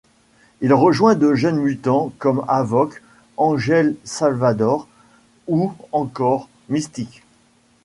Il rejoint de jeunes mutants comme Havok, Angel Salvadore ou encore Mystique.